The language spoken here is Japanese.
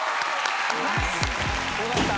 よかった。